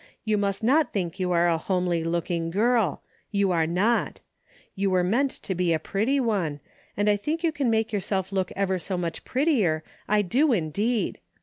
You must not think you are a homely looking girl. You are not. You Avere meant to be a pretty one, and I think you can make yourself look ever so much pret tier, I do indeed.